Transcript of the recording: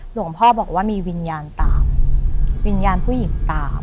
หลวงพ่อบอกว่ามีวิญญาณตามวิญญาณผู้หญิงตาม